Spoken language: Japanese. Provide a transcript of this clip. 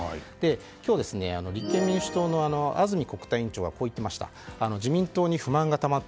今日、立憲民主党の安住国対委員長はこう言っていました。